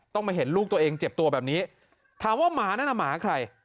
มาเห็นลูกตัวเองเจ็บตัวแบบนี้ถามว่าหมานั่นน่ะหมาใคร